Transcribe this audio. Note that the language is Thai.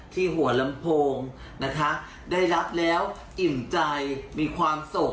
หัวลำโพงนะคะได้รับแล้วอิ่มใจมีความสุข